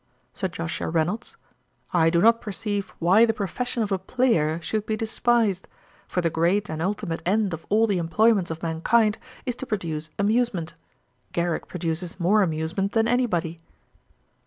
SIR JOSHUA REYNOLDS. 'I do not perceive why the profession of a player should be despised; for the great and ultimate end of all the employments of mankind is to produce amusement. Garrick produces more amusement than any body.'